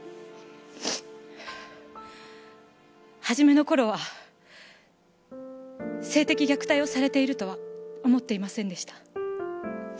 初めの頃は性的虐待をされているとは思っていませんでした。